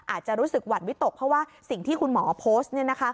อาจจะรู้สึกหวัดวิตกเพราะว่าสิ่งที่คุณหมอโพสต์